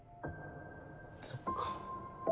そっか。